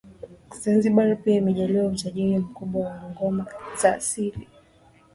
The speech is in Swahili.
Zanzibar pia imejaaliwa utajiri mkubwa wa ngoma za asili